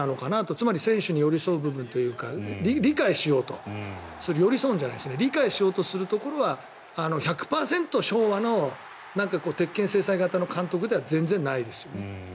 つまり選手に寄り添う部分というか理解しようと寄り添うんじゃないですね理解しようとするところは１００％昭和の鉄拳制裁型の監督では全然ないですよね。